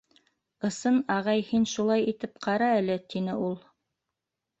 — Ысын, ағай, һин шулай итеп ҡара әле, — тине ул.